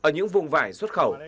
những vùng vải xuất khẩu